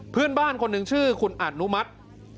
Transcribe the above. เพื่อนบ้านคนหนึ่งชื่อคุณอนุมัติ